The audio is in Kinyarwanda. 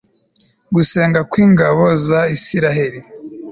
Gusenga kw ingabo za Isiraheri